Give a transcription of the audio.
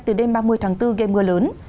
từ đêm ba mươi tháng bốn gây mưa lớn